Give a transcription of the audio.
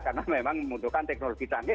karena memang membutuhkan teknologi canggih